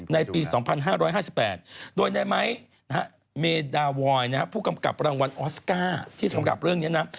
ในปี๒๕๕๘โดยในไม้เมดาวอยผู้กำกับรางวัลออสการ์ที่สำหรับเรื่องนี้นะ